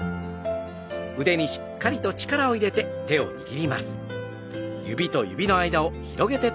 腕にしっかりと力を入れながら握ります。